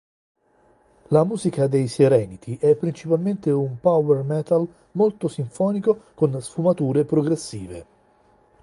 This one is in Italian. La musica dei Serenity è principalmente un power metal molto sinfonico con sfumature progressive.